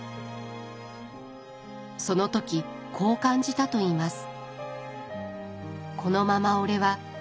その時こう感じたといいます。